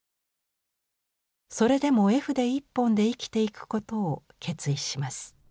それでも絵筆一本で生きていくことを決意します。